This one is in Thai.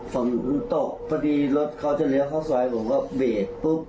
ฝนมันตกพอดีรถเขาจะเลี้ยวเข้าซ้ายผมก็เบรกปุ๊บ